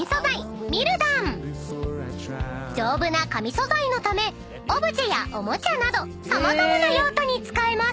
［丈夫な紙素材のためオブジェやおもちゃなど様々な用途に使えます］